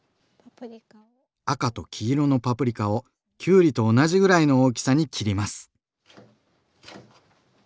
赤と黄色のパプリカをきゅうりと同じぐらいの大きさに切ります。